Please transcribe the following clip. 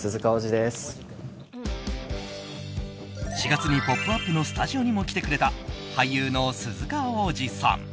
４月に「ポップＵＰ！」のスタジオにも来てくれた俳優の鈴鹿央士さん。